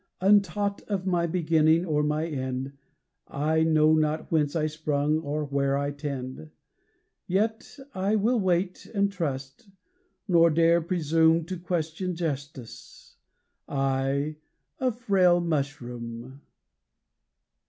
Untaught of my beginning or my end, I know not whence I sprung, or where I tend: Yet I will wait, and trust; nor dare presume To question Justice I, a frail Mushroom!